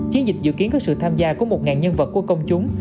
chiến dịch dự kiến có sự tham gia của một nhân vật của công chúng